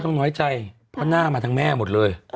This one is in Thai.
น้อยใจเพราะหน้ามาทั้งแม่หมดเลย